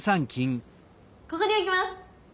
ここに置きます。